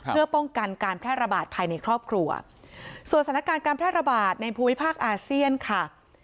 เพื่อป้องกันการแพร่ระบาดภายในครอบครัวส่วนสถานการณ์การแพร่ระบาดในภูมิภาคอาเซียนค่ะ